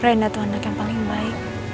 renda tuh anak yang paling baik